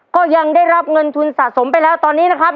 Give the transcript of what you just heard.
ก็ยังได้รับเงินทุนสะสมไปแล้วตอนนี้นะครับ